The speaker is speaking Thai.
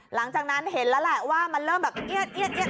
หลังจากนั้นเห็นแล้วแหละว่ามันเริ่มแบบเอียด